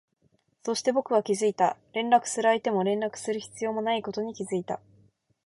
そして、僕は気づいた、連絡する相手も連絡する必要もないことに気づいた